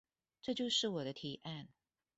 這就是我的提案